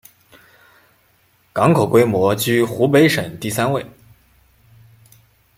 港口规模居湖北省第三位。